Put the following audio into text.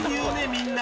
みんな。